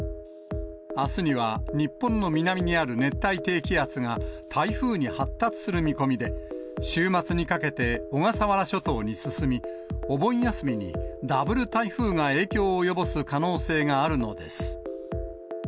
あすには日本の南にある熱帯低気圧が台風に発達する見込みで、週末にかけて小笠原諸島に進み、お盆休みにダブル台風が影響を及ぼす可能性があるのです。